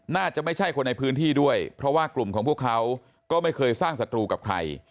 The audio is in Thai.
น่าจะไม่ใช่คนในพื้นที่ด้วยเพราะว่ากลุ่มของพวกเขาก็ไม่เคยสร้างศัตรูกับใคร